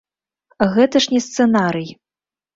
Гэта ж не сцэнарый.